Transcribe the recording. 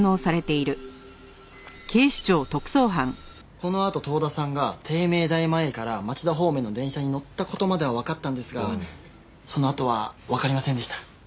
このあと遠田さんが帝名大前から町田方面の電車に乗った事まではわかったんですがそのあとはわかりませんでした。